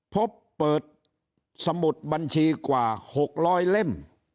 พบเปิดสมุดบัญชีกว่า๖๐๐เล่ม